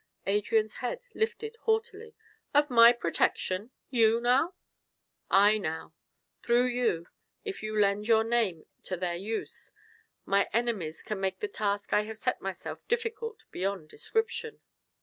Adrian's head lifted haughtily. "Of my protection! You, now?" "I, now. Through you, if you lend your name to their use, my enemies can make the task I have set myself difficult beyond description."